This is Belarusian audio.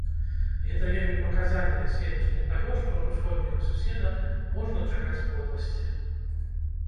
Гэта вельмі паказальнае сведчанне таго, што ад усходняга суседа можна чакаць подласці.